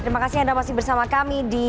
terima kasih anda masih bersama kami di